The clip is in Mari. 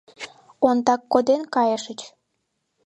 Ондак коден кайышыч?